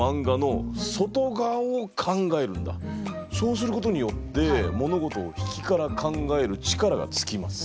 そうすることによって物事を引きから考える力がつきます。